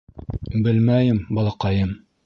— Белмәйем, балаҡайым.